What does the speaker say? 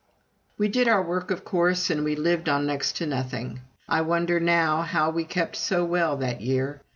We did our own work, of course, and we lived on next to nothing. I wonder now how we kept so well that year.